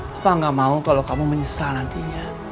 papa gak mau kalau kamu menyesal nantinya